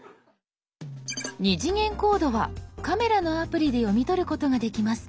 ２次元コードはカメラのアプリで読み取ることができます。